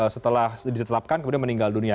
setelah ditetapkan kemudian meninggal dunia